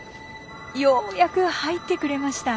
ようやく入ってくれました。